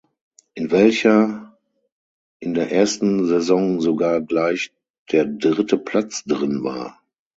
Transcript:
In welcher in der ersten Saison sogar gleich der dritte Platz drin war.